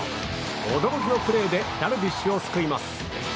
驚きのプレーでダルビッシュを救います。